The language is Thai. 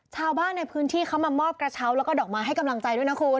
ชาวบ้านในพื้นที่เขามามอบกระเช้าแล้วก็ดอกไม้ให้กำลังใจด้วยนะคุณ